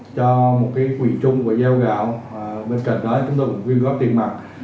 cho một quỹ chung của gieo gạo bên cạnh đó chúng tôi cũng tuyên góp tiền mặt